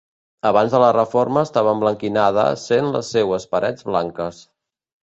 Abans de la reforma estava emblanquinada sent les seues parets blanques.